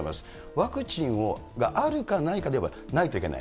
ワクチンがあるかないかでいえば、ないといけない。